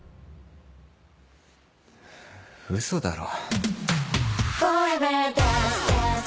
嘘だろ？